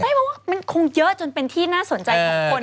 เพราะว่ามันคงเยอะจนเป็นที่น่าสนใจของคน